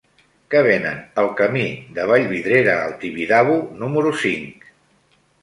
Què venen al camí de Vallvidrera al Tibidabo número cinc?